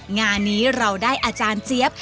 งานนี้เราได้อาจารย์เจี๊ยบ